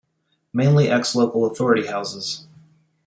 Mainly ex-local authority houses.